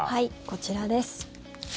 こちらです。